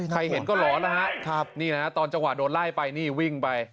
เห็นก็หลอนแล้วฮะนี่นะฮะตอนจังหวะโดนไล่ไปนี่วิ่งไป